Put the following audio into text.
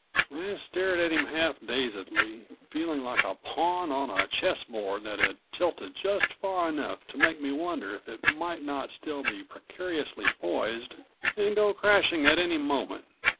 I stared at him half dazedly, feeling like a pawn on a chessboard that had tilted just far enough to make me wonder if it might not still be precariously poised and go crashing at any moment.